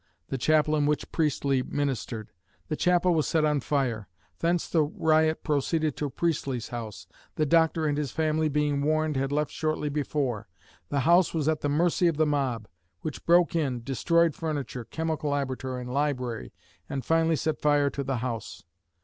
the chapel in which Priestley ministered. The chapel was set on fire. Thence the riot proceeded to Priestley's house. The doctor and his family, being warned, had left shortly before. The house was at the mercy of the mob, which broke in, destroyed furniture, chemical laboratory and library, and finally set fire to the house.